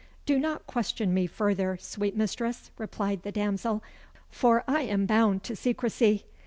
"Do not question me further, sweet mistress," replied the damsel, "for I am bound to secrecy.